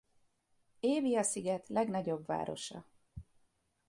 Évia sziget legnagyobb városa.